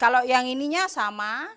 kalau yang ininya sama